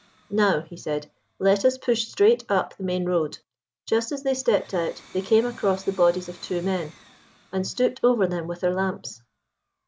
"Now," he said, "let us push straight up the main road." Just as they stepped out, they came across the bodies of two men, and stooped over them with their lamps.